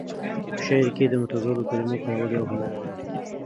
په شعر کې د متضادو کلمو کارول یو هنر دی.